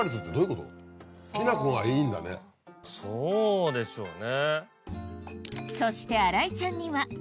そうでしょうね。